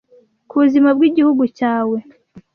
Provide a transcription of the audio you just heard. kubuzima bw igihugu cyawe